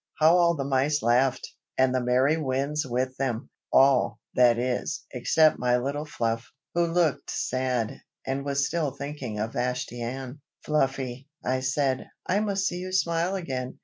How all the mice laughed, and the merry Winds with them! all, that is, except my little Fluff, who looked sad, and was still thinking of Vashti Ann. "Fluffy," I said, "I must see you smile again.